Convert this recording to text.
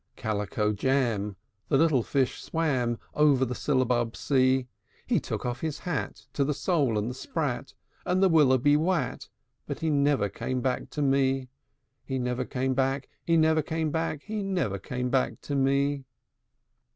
II. Calico jam, The little Fish swam Over the Syllabub Sea. He took off his hat To the Sole and the Sprat, And the Willeby wat: But he never came back to me; He never came back, He never came back, He never came back to me.